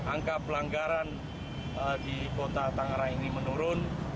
angka pelanggaran di kota tangerang ini menurun